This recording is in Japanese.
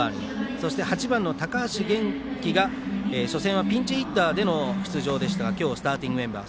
そして８番の高橋玄樹が初戦はピンチヒッターでの出場でしたが今日はスターティングメンバー。